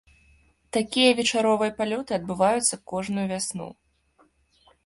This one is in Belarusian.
Такія вечаровыя палёты адбываюцца кожную вясну.